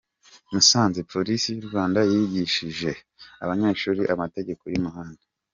Musanze : Polisi y’u Rwanda yigishije abanyeshuri amategeko y’umuhanda